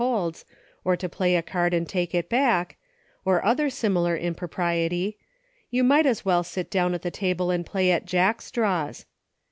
89 holds — or to play a card and take it back — or other similar impropriety — you might as well sit down to the table and play at Jack Straws.